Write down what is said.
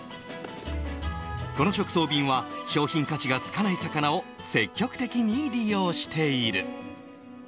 この直送便は、商品価値がつかない魚を積極的に利用している。